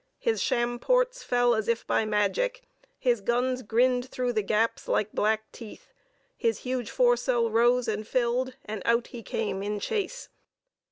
His sham ports fell as if by magic, his guns grinned through the gaps like black teeth; his huge foresail rose and filled, and out he came in chase.